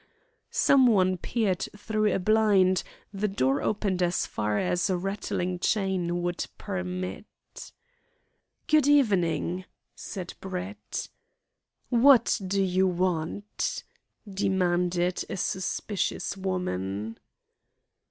Someone peeped through a blind, the door opened as far as a rattling chain would permit. "Good evening," said Brett. "What do you want?" demanded a suspicious woman.